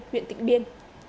huyện tỉnh biên